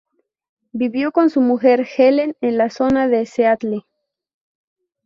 Vivió con su mujer Helen en la zona de Seattle.